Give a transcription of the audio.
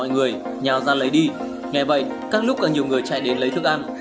nghe vậy các lúc càng nhiều người chạy đến lấy thức ăn